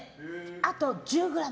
あと１０ｇ。